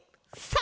さ！